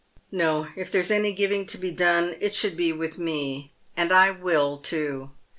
No ; if there's any giving to be done, it should be with me ; and I will, too."